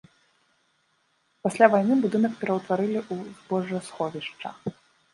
Пасля вайны будынак пераўтварылі ў збожжасховішча.